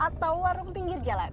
atau warung pinggir jalan